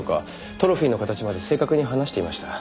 トロフィーの形まで正確に話していました。